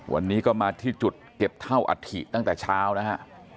วันนี้ก็มาที่จุดเก็บเท่าอัฐิตั้งแต่เช้านะฮะ